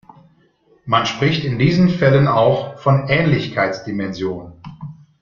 Man spricht in diesen Fällen auch von "Ähnlichkeits-Dimension".